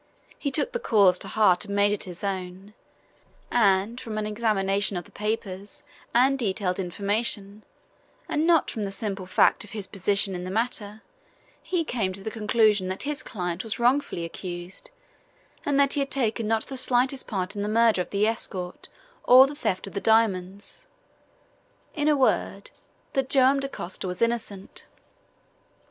He took the cause to heart and made it his own, and from an examination of the papers and detailed information, and not from the simple fact of his position in the matter, he came to the conclusion that his client was wrongfully accused, and that he had taken not the slightest part in the murder of the escort or the theft of the diamonds in a word, that Joam Dacosta was innocent.